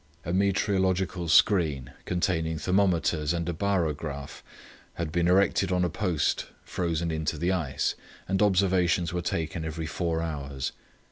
A meteorological screen, containing thermometers and a barograph, had been erected on a post frozen into the ice, and observations were taken every four hours.